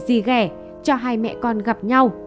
gì ghẻ cho hai mẹ con gặp nhau